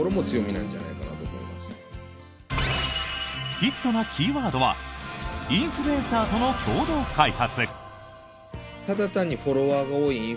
ヒットなキーワードはインフルエンサーとの共同開発。